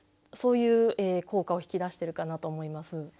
そういう効果を引き出してるかなと思います。